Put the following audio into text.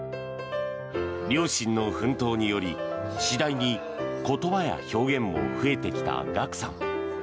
両親の奮闘により次第に言葉や表現も増えてきたＧＡＫＵさん。